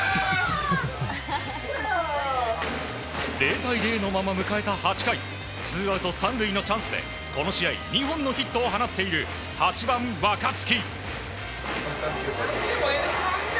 ０対０のまま迎えた８回ツーアウト３塁のチャンスでこの試合２本のヒットを放っている８番、若月。